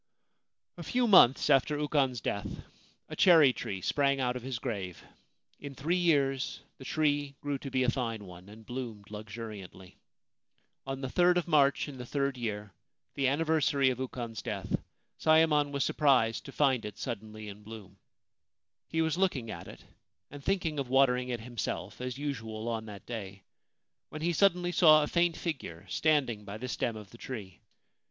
A few months after Ukon's death, a cherry tree sprang out of his grave. In three years the tree grew to be a fine one and bloomed luxuriantly. On the jrd of March in the third year, the anniversary of Ukon's death, Sayemon was surprised to find it suddenly in bloom. He was looking at it, and thinking of water ing it himself, as usual on that day, when he suddenly saw a faint figure standing by the stem of the tree.